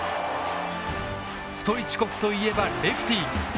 ストイチコフといえばレフティー。